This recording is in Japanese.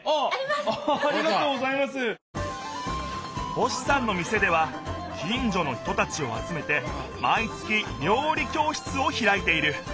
星さんの店では近じょの人たちをあつめてまい月料理教室をひらいている。